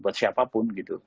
buat siapapun gitu